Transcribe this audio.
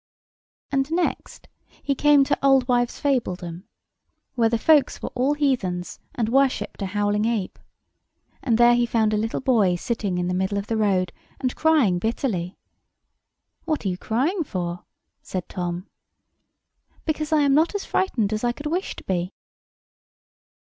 And next he came to Oldwivesfabledom, where the folks were all heathens, and worshipped a howling ape. And there he found a little boy sitting in the middle of the road, and crying bitterly. "What are you crying for?" said Tom. "Because I am not as frightened as I could wish to be."